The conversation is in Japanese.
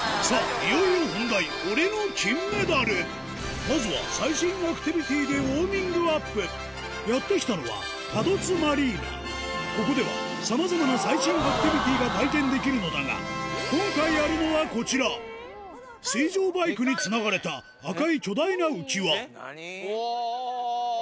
いよいよ本題まずは最新アクティビティでウオーミングアップやって来たのはここではさまざまな最新アクティビティが体験できるのだが今回やるのはこちら水上バイクにつながれた赤い巨大な浮き輪おぉ！